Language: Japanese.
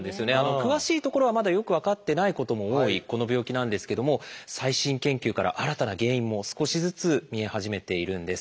詳しいところはまだよく分かってないことも多いこの病気なんですけども最新研究から新たな原因も少しずつ見え始めているんです。